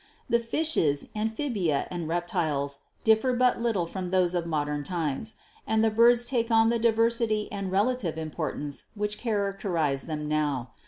The Fishes, Amphibia and Reptiles differ but little from HISTORICAL GEOLOGY 229 those of modern times, and the Birds take on the diversity and relative importance which characterize them now.